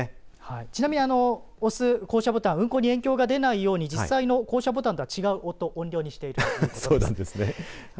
ちなみにあの押す降車ボタン運行に影響が出ないように実際の降車ボタンとは違う音音量にしているということです。